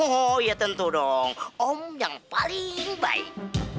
oh ya tentu dong om yang paling baik